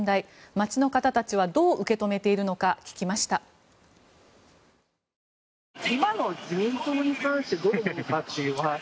街の方たちはどう受け止めているのか聞きました。